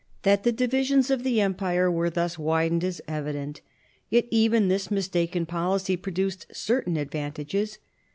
That the divisions of the Empire were thus widened is evident; yet even this mistaken policy produced certain advantages.